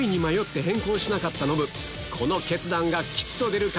この決断が吉と出るか？